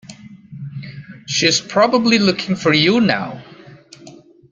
She's probably looking for you now.